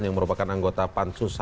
yang merupakan anggota pansus